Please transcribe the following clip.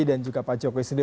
dan juga pak jokowi sendiri